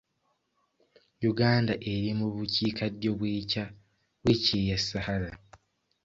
Uganda eri mu bukiikaddyo bw'ekyeya Sahara.